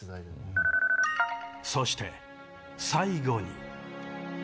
そして、最後に。